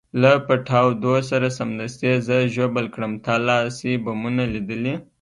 له پټاودو سره سمدستي یې زه ژوبل کړم، تا لاسي بمونه لیدلي؟